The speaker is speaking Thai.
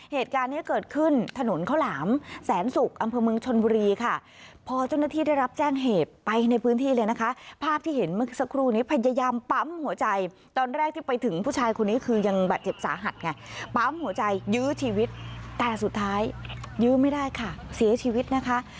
เหมือนเมื่อกี้สักครู่นี้พยายามปั๊มหัวใจตอนแรกที่ไปถึงผู้ชายคนนี้คือยังแบบเจ็บสาหัสไงปั๊มหัวใจยื้อชีวิตแต่สุดท้ายยื้อไม่ได้ค่ะเสียชีวิตนะคะ